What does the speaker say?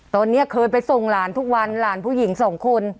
ตอนนี้เคยไปส่งหลานทุกวันหลานผู้หญิงสองคน